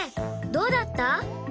どうだった？